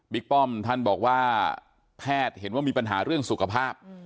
ป้อมท่านบอกว่าแพทย์เห็นว่ามีปัญหาเรื่องสุขภาพ